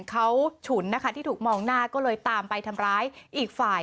เขาฉุนนะคะที่ถูกมองหน้าก็เลยตามไปทำร้ายอีกฝ่าย